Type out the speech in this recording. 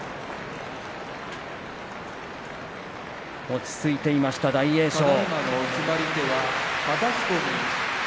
落ち着いていました、大栄翔。